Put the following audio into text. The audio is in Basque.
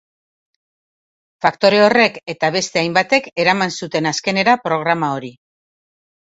Faktore horrek eta beste hainbatek eraman zuten azkenera programa hori.